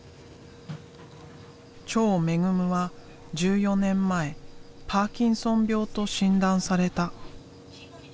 長恵は１４年前パーキンソン病と診断された。